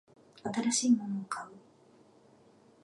新しいものを買う